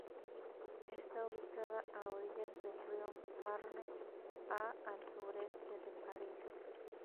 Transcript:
Está ubicada a orillas del río Marne, a al sureste de París.